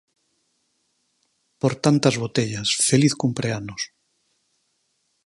Por tantas botellas, feliz cumpreanos!